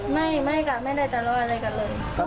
ไม่ค่ะไม่ได้ทะเลาะอะไรกันเลย